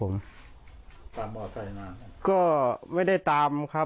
ตามออสัยมาหรือก็ไม่ได้ตามครับ